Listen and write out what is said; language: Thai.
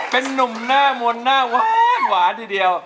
เป็นนุ่มหน้ามนต์หน้าหวานทีเดียว